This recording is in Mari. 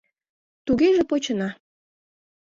— Тугеже почына.